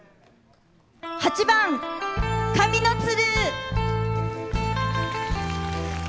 ８番「紙の鶴」。